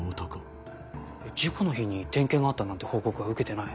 事故の日に点検があったなんて報告は受けてない。